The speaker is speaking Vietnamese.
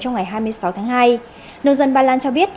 trong ngày hai mươi sáu tháng hai nông dân ba lan cho biết